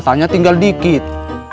katanya tinggal dikit